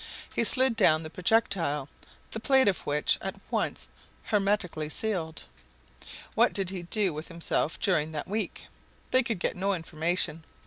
he slid down the projectile, the plate of which was at once hermetically sealed. What did he do with himself during that week? They could get no information.